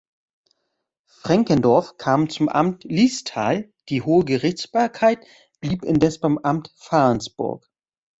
Frenkendorf kam zum Amt Liestal, die hohe Gerichtsbarkeit blieb indes beim Amt Farnsburg.